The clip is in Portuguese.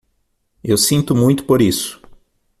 Eu sinto muito por isso.